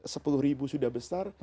sepuluh ribu sudah besar